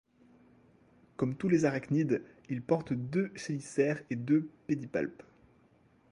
Comme tous les arachnides, ils portent deux chélicères et deux pédipalpes.